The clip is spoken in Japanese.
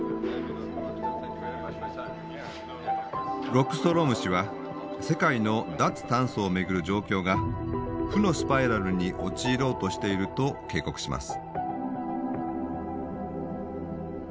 ロックストローム氏は世界の脱炭素を巡る状況が負のスパイラルに陥ろうとしていると警告します。